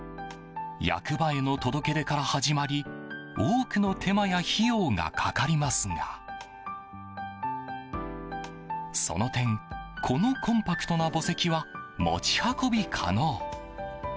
役場への届け出から始まり多くの手間や費用がかかりますがその点、このコンパクトな墓石は持ち運び可能。